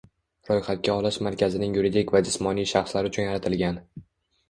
Ro‘yxatga olish markazining yuridik va jismoniy shaxslar uchun yaratilgan